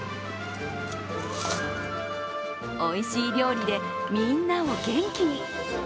おいしい料理でみんなを元気に！